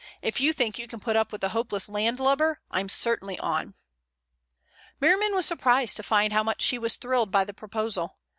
If you think you can put up with a hopeless landlubber, I'm certainly on." Merriman was surprised to find how much he was thrilled by the proposal.